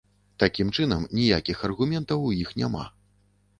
Такім чынам, ніякіх аргументаў у іх няма.